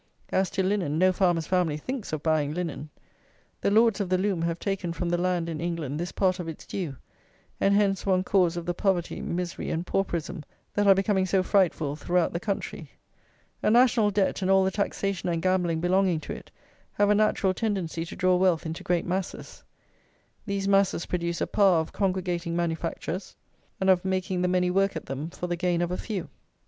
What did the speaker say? As to linen, no farmer's family thinks of buying linen. The Lords of the Loom have taken from the land, in England, this part of its due; and hence one cause of the poverty, misery, and pauperism that are becoming so frightful throughout the country. A national debt and all the taxation and gambling belonging to it have a natural tendency to draw wealth into great masses. These masses produce a power of congregating manufactures, and of making the many work at them, for the gain of a few.